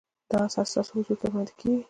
دا اثر ستاسو حضور ته وړاندې کیږي.